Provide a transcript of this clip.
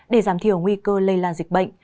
để giảm thiểu nguy cơ lây lan dịch bệnh